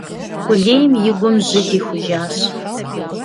Къулейм и гум жьы дихужащ.